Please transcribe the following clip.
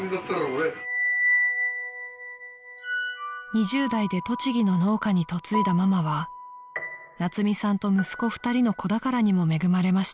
［２０代で栃木の農家に嫁いだママは夏海さんと息子２人の子宝にも恵まれました］